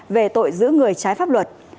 về tội giữ người trái pháp luật